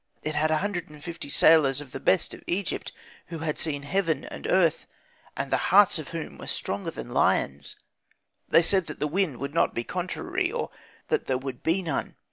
It had 150 sailors of the best of Egypt, who had seen heaven and earth, and the hearts of whom were stronger than lions. They said that the wind would not be contrary, or that there would be none.